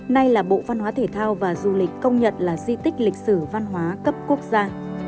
nay là bộ văn hóa thể thao và du lịch công nhận là di tích lịch sử văn hóa cấp quốc gia